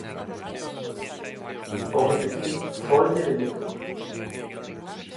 Home pequeno, fol de veleno